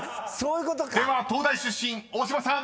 では東大出身大島さん］